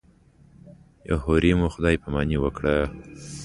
هورې مو خدای پاماني وکړه.